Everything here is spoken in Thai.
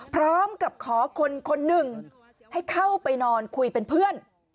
พร้อมกับขอคนหนึ่งให้เข้าไปนอนคุยเป็นเพื่อน